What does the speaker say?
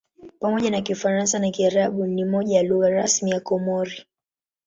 Pamoja na Kifaransa na Kiarabu ni moja ya lugha rasmi ya Komori.